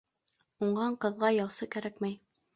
Уңған ҡыҙға яусы кәрәкмәй.